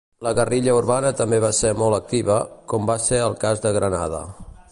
La guerrilla urbana també va ser molt activa, com va ser el cas de Granada.